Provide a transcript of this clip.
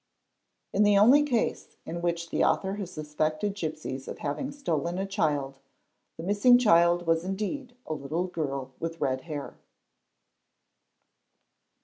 In the only case in which the author has suspected gipsies of having stolen a child, the missing child was indeed a little girl with red hair.